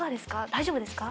大丈夫ですか？